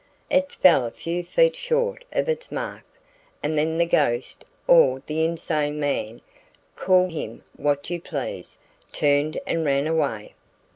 It fell a few feet short of its mark, and then the ghost or the insane man call him what you please turned and ran away."